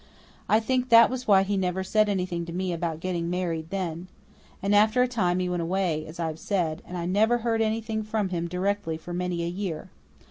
I think that was why he never said anything to me about getting married then. And after a time he went away, as I have said, and I never heard anything from him directly for many a year.